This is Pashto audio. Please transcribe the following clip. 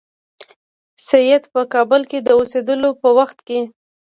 سید په کابل کې د اوسېدلو په وخت کې.